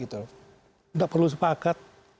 tidak perlu sepakat